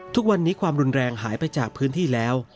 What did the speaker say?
ทุกวันนี้ความรุนแรงหายไปจากพื้นที่แล้ว